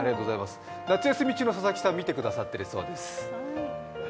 夏休み中の佐々木さん、見てくださってるそうです。